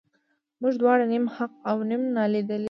موږ دواړه نیم حق او نیم نالیدلي لرو.